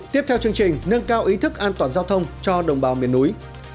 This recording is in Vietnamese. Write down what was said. tiếp theo chương trình nâng cao ý thức an toàn giao thông cho đồng bào miền núi